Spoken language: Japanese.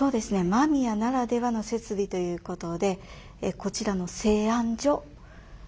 間宮ならではの設備ということでこちらの製あん所。